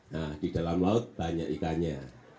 nah di dalam laut banyak ikannya